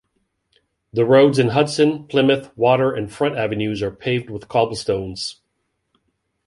The roads in Hudson, Plymouth, Water and Front avenues are paved with cobblestones.